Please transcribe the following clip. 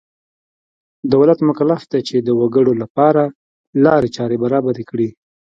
دولت مکلف دی چې د وګړو لپاره لارې چارې برابرې کړي.